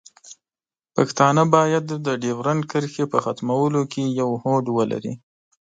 پښتانه باید د ډیورنډ کرښې په ختمولو کې یو هوډ ولري.